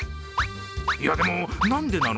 いやでも、なんでなの？